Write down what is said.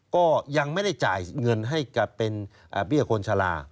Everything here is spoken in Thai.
ก็ยังไม่ได้จ่ายเงินให้กับเป็นเบี้ยคนชะลา